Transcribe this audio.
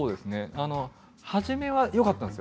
初めはよかったんです